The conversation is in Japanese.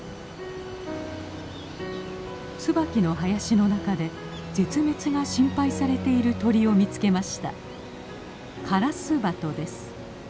ツバキの林の中で絶滅が心配されている鳥を見つけました。